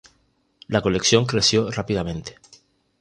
La colección creció rápidamente.